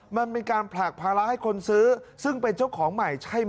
มันเป็นการผลักภาระให้คนซื้อซึ่งเป็นเจ้าของใหม่ใช่ไหม